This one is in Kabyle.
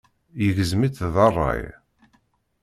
Yegzem-itt deg ṛṛay.